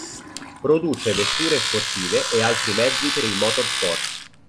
Produce vetture sportive e altri mezzi per il motorsport.